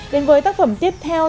đến với tác phẩm tiếp theo